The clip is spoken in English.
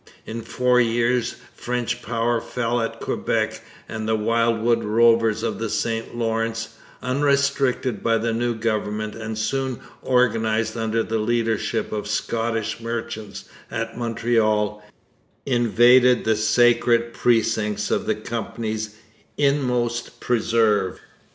In four years French power fell at Quebec, and the wildwood rovers of the St Lawrence, unrestricted by the new government and soon organized under the leadership of Scottish merchants at Montreal, invaded the sacred precincts of the Company's inmost preserve.